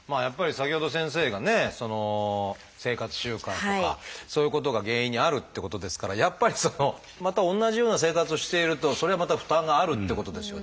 先ほど先生がね生活習慣とかそういうことが原因にあるってことですからやっぱりまた同じような生活をしているとそれはまた負担があるってことですよね。